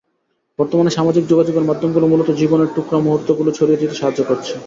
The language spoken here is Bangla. বর্তমানে সামাজিক যোগাযোগের মাধ্যমগুলো মূলত জীবনের টুকরা মুহূর্তগুলো ছড়িয়ে দিতে সাহায্য করছে।